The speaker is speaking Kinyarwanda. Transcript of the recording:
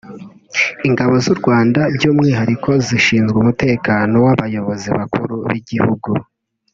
Ingabo z’U Rwanda by’umwihariko zishinzwe umutekano w’abayobozi bakuru b’igihugu